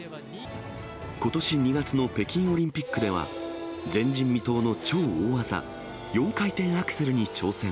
ことし２月の北京オリンピックでは、前人未到の超大技、４回転アクセルに挑戦。